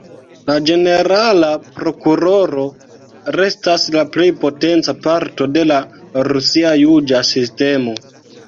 La ĝenerala prokuroro restas la plej potenca parto de la rusia juĝa sistemo.